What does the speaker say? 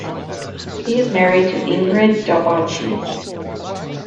He is married to Ingrid Daubechies.